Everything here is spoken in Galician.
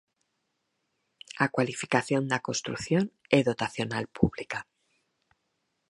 A cualificación da construción é dotacional pública.